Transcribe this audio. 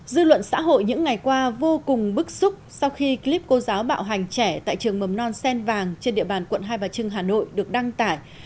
dư luận xã hội những ngày qua vô cùng bức xúc sau khi clip cô giáo bạo hành trẻ tại trường mầm non sen vàng trên địa bàn quận hai bà trưng hà nội được đăng tải